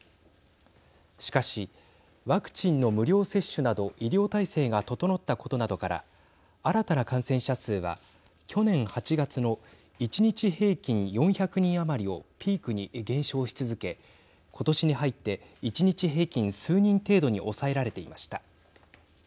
しかし、ワクチンの無料接種など医療体制が整ったことなどから新たな感染者数は去年８月の１日平均４００人余りをピークに減少し続け今年に入って１日平均、数人程度に抑えられていました。